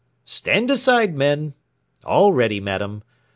"Stand aside, men! All ready, madam!